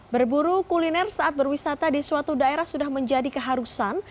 berburu kuliner saat berwisata di suatu daerah sudah menjadi keharusan